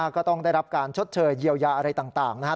ก็ต้องได้รับการชดเชยเยียวยาอะไรต่างนะครับ